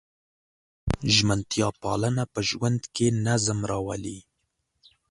ژمنتیا پالنه په ژوند کې نظم راولي.